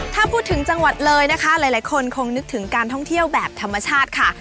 ถ้าพูดถึงจังหวัดเลยนะคะหลายคนคงนึกถึงการท่องเที่ยวแบบธรรมชาติค่ะ